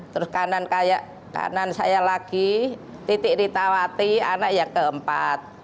terus kanan saya lagi titik ritawati anak yang keempat